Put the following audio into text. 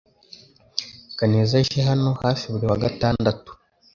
Kaneza aje hano hafi buri wa gatandatu .